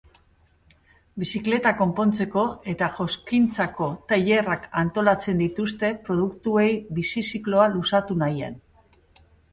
Bizikleta konpontzeko eta joskintzako tailerrak antolatzen dituzte produktuei bizi zikloa luzatu nahian.